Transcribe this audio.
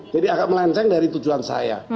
jadi agak melanceng dari tujuan saya